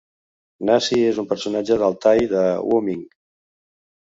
Nasi és un personatge d'Altai de Wu Ming.